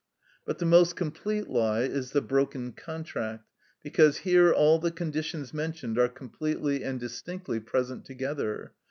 But the most complete lie is the broken contract, because here all the conditions mentioned are completely and distinctly present together.